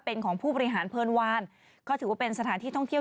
เป็นของผู้บริหารเพลินวานก็ถือว่าเป็นสถานที่ท่องเที่ยว